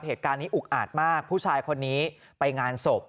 เหตุการณ์นี้อุกอาจมากผู้ชายคนนี้ไปงานศพ